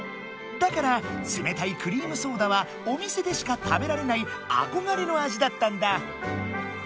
だからつめたいクリームソーダはお店でしか食べられないあこがれのあじだったんだ！